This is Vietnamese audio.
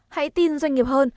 hãy tin doanh nghiệp hơn